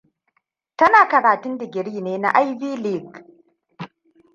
Tana karatun digiri ne na Ivy League.